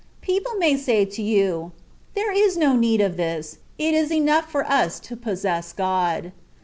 People may say to you, ^^ There is no need of this ; it is enough for us to possess God.